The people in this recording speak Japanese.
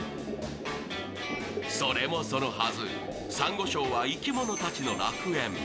それもそのはず、さんご礁は生き物たちの楽園。